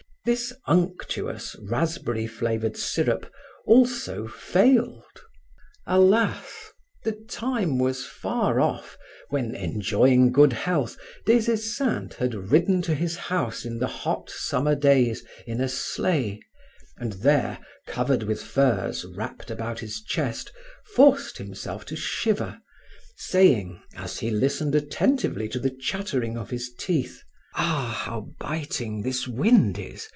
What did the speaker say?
This unctuous raspberry flavored syrup also failed. Alas! the time was far off when, enjoying good health, Des Esseintes had ridden to his house in the hot summer days in a sleigh, and there, covered with furs wrapped about his chest, forced himself to shiver, saying, as he listened attentively to the chattering of his teeth: "Ah, how biting this wind is!